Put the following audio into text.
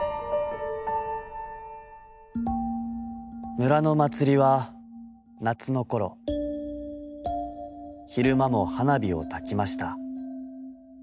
「村のまつりは夏のころ、ひるまも花火をたきました。